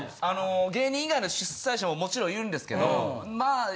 あの芸人以外の主催者ももちろんいるんですけどまあ